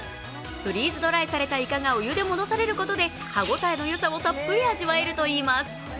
フリーズドライされたイカがお湯で戻されることで歯応えのよさをたっぷり味わえるといいます。